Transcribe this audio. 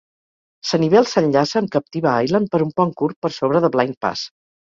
Sanibel s'enllaça amb Captiva Island per un pont curt per sobre de Blind Pass.